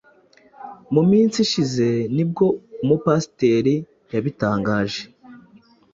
mu minsi ishize nibwo umupasiteri yabitangaje